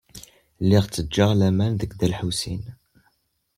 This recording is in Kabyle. Lliɣ ttgeɣ laman deg Dda Lḥusin.